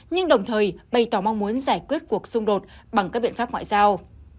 nhưng đồng thời bày tỏ mong muốn giải quyết cuộc xung đột bằng các biện pháp ngoại giao